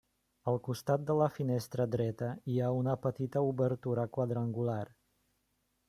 Al costat de la finestra dreta hi ha una petita obertura quadrangular.